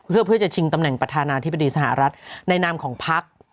เพื่อจะชิงตำแหน่งประธานาธิบดีสหรัฐในนามของพัก